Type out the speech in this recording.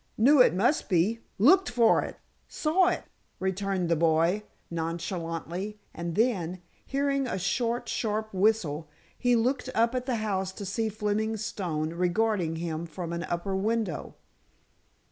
"Knew it must be—looked for it—saw it," returned the boy, nonchalantly, and then, hearing a short, sharp whistle, he looked up at the house to see Fleming Stone regarding him from an upper window.